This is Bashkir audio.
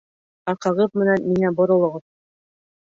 Арҡағыҙ менән миңә боролоғоҙ!